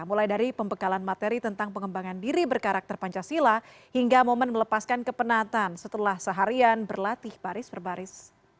mulai dari pembekalan materi tentang pengembangan diri berkarakter pancasila hingga momen melepaskan kepenatan setelah seharian berlatih baris baris